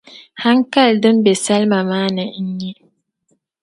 Hankali din bɛ Salima maa ni n nyɛ;